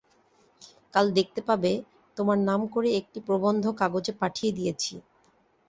কাল দেখতে পাবে তোমার নাম করে একটা প্রবন্ধ কাগজে পাঠিয়ে দিয়েছি।